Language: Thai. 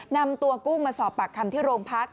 นำตัวกุ้งมาสอบปากคำที่โรงพัก